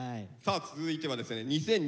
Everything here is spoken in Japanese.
さあ続いてはですね